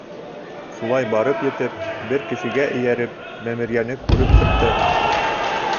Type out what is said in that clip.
Шулай барып етеп, бер кешегә эйәреп, мәмерйәне күреп сыҡтыҡ.